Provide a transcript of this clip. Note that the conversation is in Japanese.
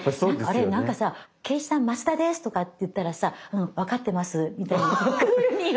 あれ何かさ敬一さん「増田です！」とかって言ったらさ「分かってます」みたいにクールに言われて。